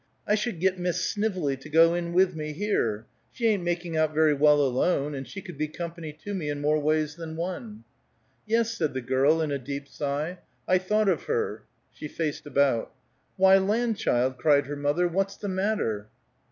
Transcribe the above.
"I should get Miss Snively to go in with me, here. She ain't making out very well, alone, and she could be company to me in more ways than one." "Yes," said the girl, in a deep sigh. "I thought of her." She faced about. "Why, land, child!" cried her mother, "what's the matter?"